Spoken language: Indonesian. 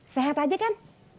sehat aja kan